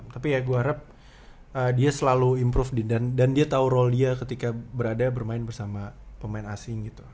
tapi ya gua harap dia selalu improve dan dia tau role dia ketika bermain bersama pemain asing gitu